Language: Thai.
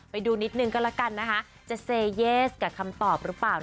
ไปดูนิดนึงก็แล้วกันนะคะจะเซเยสกับคำตอบหรือเปล่า